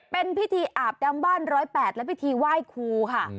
เป็นพิธีอาบดำบ้าน๑๐๘และพิธีไหว้ครูค่ะ